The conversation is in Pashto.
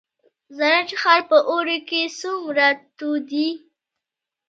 زرنج ښار په اوړي کې څومره تود وي؟